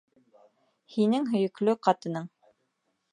Һинең һөйөклө ҡатының.